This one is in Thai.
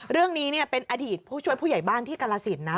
เรื่องนี้เป็นอดีตผู้ช่วยผู้ใหญ่บ้านที่กรสินนะ